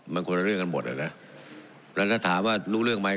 มันคนละเรื่องกันหมดอ่ะนะแล้วถ้าถามว่ารู้เรื่องไหม